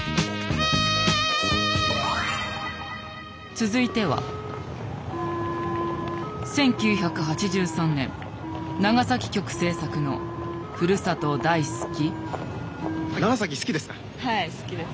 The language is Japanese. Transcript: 続いては１９８３年長崎局制作の「ふるさと大好き？」。